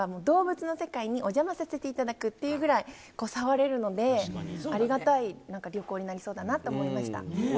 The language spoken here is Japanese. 動物園っていうよりは、動物の世界にお邪魔させていただくっていうぐらい、触れるので、ありがたい旅行になりそうだなと思いました。